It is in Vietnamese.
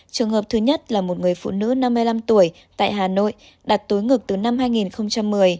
trường hợp thứ nhất là một người phụ nữ năm mươi năm tuổi tại hà nội đặt tối ngực từ năm hai nghìn một mươi